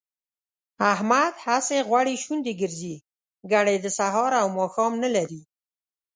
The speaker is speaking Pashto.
احمد هسې غوړې شونډې ګرځي، ګني د سهار او ماښام نه لري